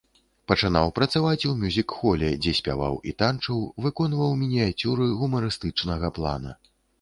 Пачынаў працаваць у мюзік-холе, дзе спяваў і танчыў, выконваў мініяцюры гумарыстычнага плана.